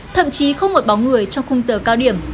thậm chí không một bóng người trong khung giờ cao điểm